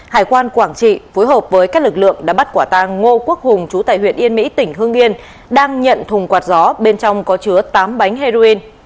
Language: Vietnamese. hải quan quảng trị phối hợp với các lực lượng đã bắt quả tang ngô quốc hùng chú tại huyện yên mỹ tỉnh hương yên đang nhận thùng quạt gió bên trong có chứa tám bánh heroin